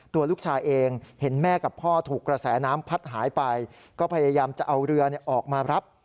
ตัวลูกชายเองเห็นแม่กับพ่อถูกกระแสน้ำพัดหายไปก็พยายามจะเอาเรือออกมารับ